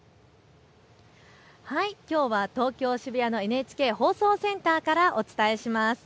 きょうは東京渋谷のＮＨＫ放送センターからお伝えします。